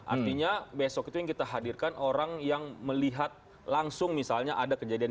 artinya besok itu yang kita hadirkan orang yang melihat langsung misalnya ada kejadian